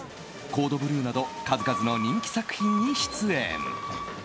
「コード・ブルー」など数々の人気作品に出演。